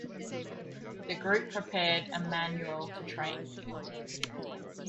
The group prepared a manual to train people.